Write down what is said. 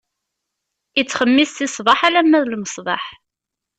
Ittxemmis si ṣṣbeḥ alamma d lmesbeḥ.